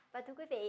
và thưa quý vị